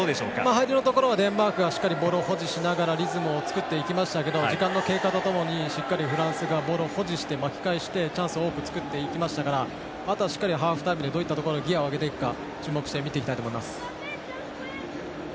入りのところはデンマークがボールを保持しながらリズムを作っていきましたけど時間の経過と共にフランスがボールを保持して巻き返してチャンスを作っていきましたからあとはしっかりハーフタイムでどういったところでギヤを上げていくか注目して見ていきたいと思います。